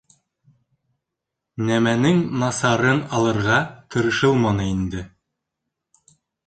Нәмәнең насарын алырға тырышылманы инде.